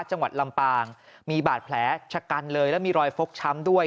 จังหวัดลำปางมีบาดแผลชะกันเลยแล้วมีรอยฟกช้ำด้วย